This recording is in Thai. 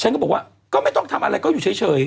ก็บอกว่าก็ไม่ต้องทำอะไรก็อยู่เฉย